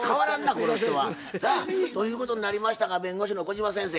この人は。ということになりましたが弁護士の小島先生